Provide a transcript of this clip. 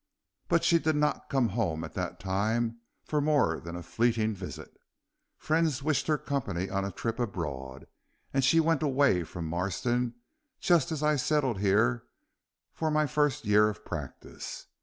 But she did not come home at that time for more than a fleeting visit. Friends wished her company on a trip abroad, and she went away from Marston just as I settled here for my first year of practice.